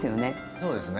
そうですね。